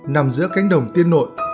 nằm giữa cánh đồng tiên nội